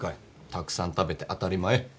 たくさん食べて当たり前。